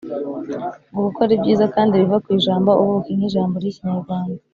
ngo kuko ari byiza kandi biva ku ijambo ubuki nk’ijambo ry’ikinyarwanda.